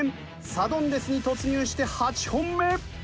サドンデスに突入して８本目。